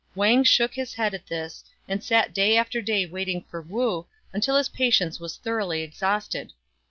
Wang shook his head at this, and sat day after day wait ting for Wu, until his patience was thoroughly exhausted.